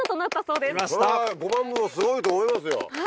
それは５万部もすごいと思いますよ。